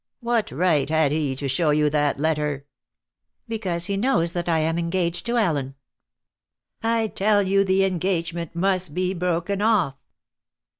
What right had he to show you that letter?" "Because he knows that I am engaged to Allen." "I tell you the engagement must be broken off."